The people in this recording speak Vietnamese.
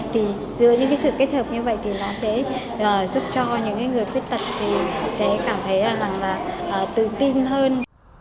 thì dưới những cái sự kết hợp như vậy thì nó sẽ giúp cho những người khuyết tật thì sẽ cảm thấy là tự tin hơn